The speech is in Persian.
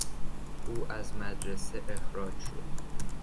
او از مدرسه اخراج شد.